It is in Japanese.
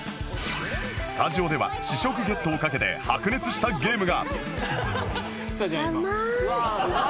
スタジオでは試食ゲットをかけて白熱したゲームが！